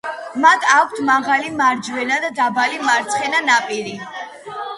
მათ აქვთ მაღალი მარჯვენა და დაბალი მარცხენა ნაპირი.